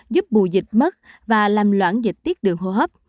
giúp bù dịch mất và làm loãng dịch tiết đường hô hấp